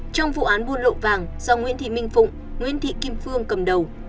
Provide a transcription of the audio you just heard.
trong vụ án buôn lậu vàng do nguyễn thị minh phụng nguyễn thị kim phương cầm đầu